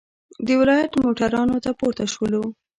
د ولایت موټرانو ته پورته شولو.